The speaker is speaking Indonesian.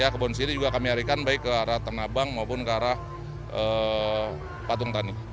kebun sirih juga kami alihkan baik ke arah ternabang maupun ke arah patung tani